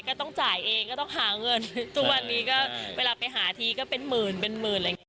ก็ต้องจ่ายเองก็ต้องหาเงินทุกวันนี้เวลาไปหาทีก็เป็นหมื่นเป็นหมื่น